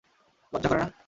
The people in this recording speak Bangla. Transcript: লজ্জা করে না!